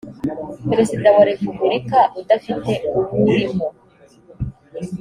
perezida wa repubulika udafite uwurimo